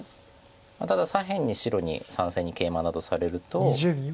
ただ左辺に白に３線にケイマなどされると。